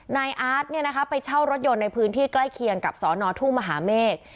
นายอาร์ตไปเช่ารถยนต์ในพื้นที่ใกล้เคียงกับสนทุ่งมหาเมฆ